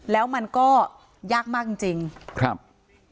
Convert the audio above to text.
แล้วมันก็ยากมากจริงจริงครับ